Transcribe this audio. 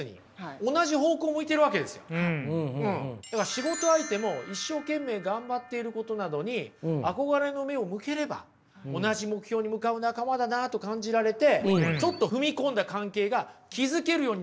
仕事相手も一生懸命頑張っていることなのに憧れの目を向ければ同じ目標に向かう仲間だなと感じられてちょっと踏み込んだ関係が築けるようになるんじゃないでしょうか。